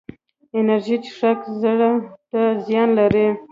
انرژي څښاک زړه ته زیان لري